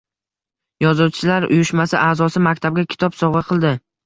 Yozuvchilar uyushmasi a’zosi maktabga kitob sovg‘a qildi